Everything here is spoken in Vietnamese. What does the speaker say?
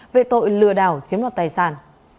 về tội lừa đảo chiếm đoạt tài sản